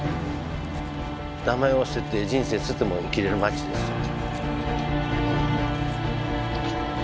名前を捨てて人生捨てても生きれる町ですよ。